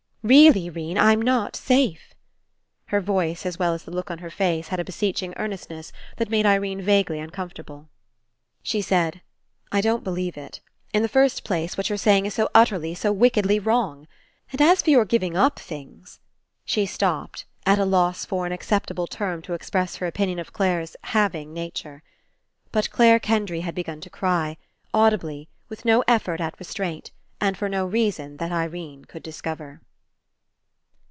Really, 'Rene, I'm not safe." Her voice as well as the look on her face had a beseeching earnestness that made Irene vaguely uncomfortable. She said: "I don't believe it. In the first place what you're saying is so utterly, so wickedly wrong. And as for your giving up things —" She stopped, at a loss for an accept able term to express her opinion of Clare's "having" nature. But Clare Kendry had begun to cry, audibly, with no effort at restraint, and for no reason that Irene could discover.